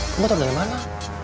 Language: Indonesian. kamu tau dari mana